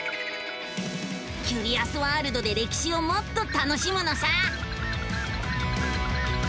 キュリアスワールドで歴史をもっと楽しむのさ！